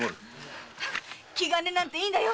気兼ねなんていいのよ。